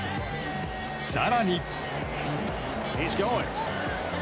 更に。